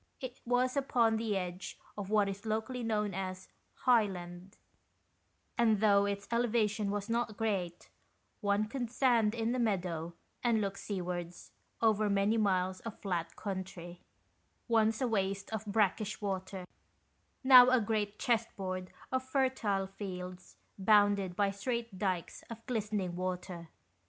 It was upon the edge of what is locally known as " high land "; and though its elevation was not great, one could stand in the meadow and look sea wards over many miles of flat country, once a waste of brackish water, now a great chess board of fertile fields bounded by straight dykes of glistening water.